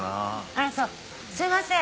あらそうすいません。